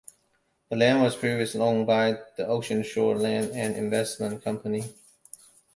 The land was previously owned by the Ocean Shore Land and Investment Company.